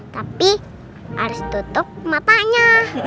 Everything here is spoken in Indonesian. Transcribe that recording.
tapi harus tutup matanya